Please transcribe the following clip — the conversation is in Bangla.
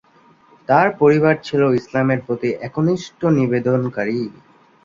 তার পরিবার ছিলো ইসলামের প্রতি একনিষ্ঠ নিবেদনকারী।